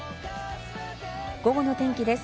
午後の天気です。